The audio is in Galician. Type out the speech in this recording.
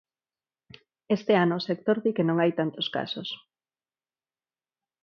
Este ano o sector di que non hai tantos casos.